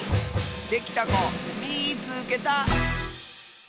できたこみいつけた！